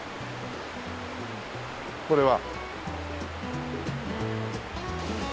これは。